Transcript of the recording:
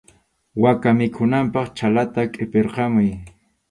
Waka mikhunanpaq chhallata qʼipirqamuy.